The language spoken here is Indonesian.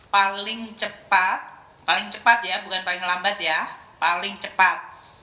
paling cepat paling cepat ya bukan paling lambat ya paling cepat